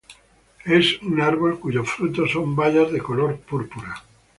Es un árbol cuyos frutos son bayas de color púrpura.